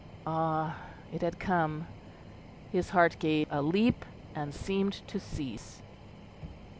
Ah! it had come; his heart gave a leap and seemed to cease.